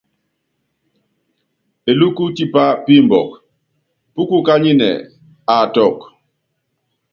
Elúkú tipá pimbukɔ, púkukányinɛ aatukɔ.